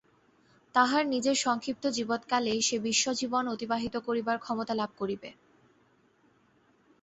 তাহার নিজের সংক্ষিপ্ত জীবৎকালেই সে বিশ্বজীবন অতিবাহিত করিবার ক্ষমতা লাভ করিবে।